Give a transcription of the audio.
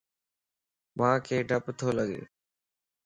مانک ڊپَ تو لڳَ